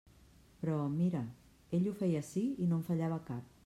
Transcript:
Però, mira, ell ho feia ací i no en fallava cap.